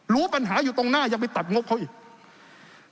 รู้ปัญหาอยู่ตรงหน้ายังไปตัดงบเขาอีก